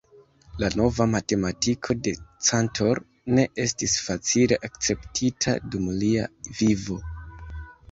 La nova matematiko de Cantor ne estis facile akceptita dum lia vivo.